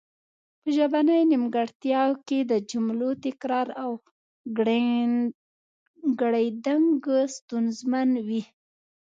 په ژبنۍ نیمګړتیا کې د جملو تکرار او ګړیدنګ ستونزمن وي